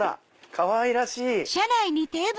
かわいらしい。